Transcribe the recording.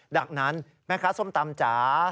ดังนั้นแม่ค้าส้มตำจ๋า